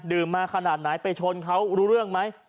มาขนาดไหนไปชนเขารู้เรื่องไหม